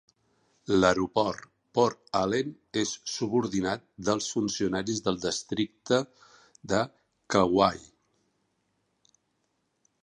L'aeroport Por Allen és subordinat dels funcionaris del districte de Kauai.